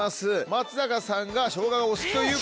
松坂さんが生姜がお好きということで。